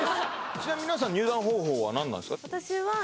ちなみに皆さん入団方法は何なんですか？